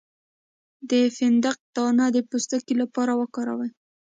د فندق دانه د پوستکي لپاره وکاروئ